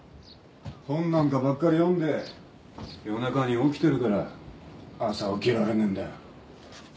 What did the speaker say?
本なんかばっかり読んで夜中に起きてるから朝起きられねえんだよ。